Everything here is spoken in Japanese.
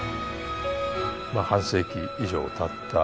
まあ半世紀以上たった